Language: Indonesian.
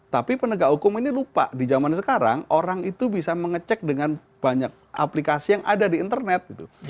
tapi penegak hukum ini lupa di zaman sekarang orang itu bisa mengecek dengan banyak aplikasi yang ada di internet